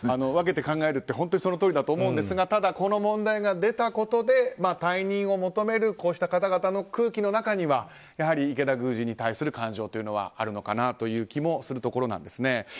分けて考えるって本当にそのとおりだと思うんですがただ、この問題が出たことで退任を求める方々の空気の中にはやはり池田宮司に対する感情はあるのかなという気がするところなんですね。